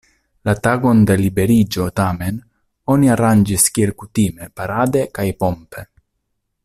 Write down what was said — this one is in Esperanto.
La tagon de liberiĝo, tamen, oni aranĝis kiel kutime parade kaj pompe.